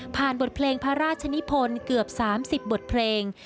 บทเพลงพระราชนิพลเกือบ๓๐บทเพลง